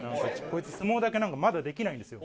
こいつ相撲だけ何かまだできないんですよ